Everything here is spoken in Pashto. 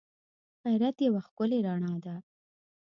غیرت یوه ښکلی رڼا ده